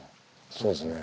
そうですね。